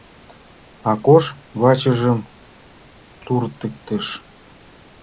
Акош вачыжым туртыктыш.